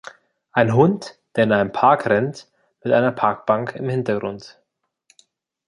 Ein Hund, der in einem Park rennt, mit einer Parkbank im Hintergrund.